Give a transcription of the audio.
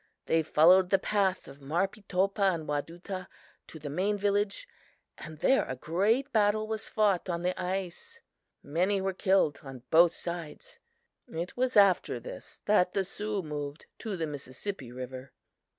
They followed the path of Marpeetopah and Wadutah to the main village, and there a great battle was fought on the ice. Many were killed on both sides. It was after this that the Sioux moved to the Mississippi river."